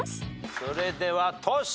それではトシ。